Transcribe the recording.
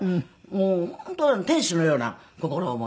もう本当天使のような心を持った。